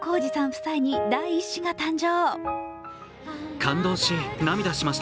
夫妻に第一子が誕生。